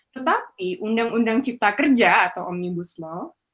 tetapi undang undang cipta kerja atau omnibus law